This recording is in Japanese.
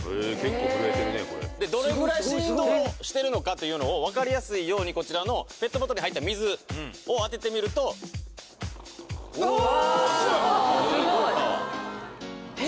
これすごいすごいすごいどれぐらい振動してるのかというのを分かりやすいようにこちらのペットボトルに入った水を当ててみるとうわわあすごい・えっ？